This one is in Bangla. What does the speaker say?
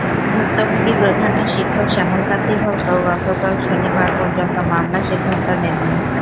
ভুক্তভোগী প্রধান শিক্ষক শ্যামল কান্তি ভক্তও গতকাল শনিবার পর্যন্ত মামলার সিদ্ধান্ত নেননি।